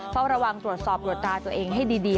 เฝ้าระวังตรวจสอบตรวจตาตัวเองให้ดี